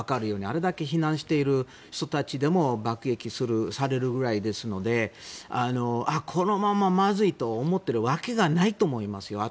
あれだけ避難している人たちも爆撃されるぐらいですのでこのまままずいと思っているわけがないと思います。